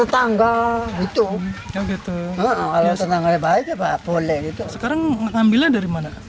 untuk apa sih penanti tadi